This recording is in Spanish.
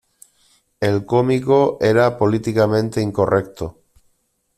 El cómico era políticamente incorrecto.